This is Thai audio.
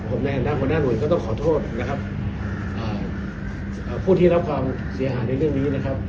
ผมในฐานะหัวหน้าหน่วยก็ต้องขอโทษนะครับผู้ที่รับความเสียหายในเรื่องนี้นะครับ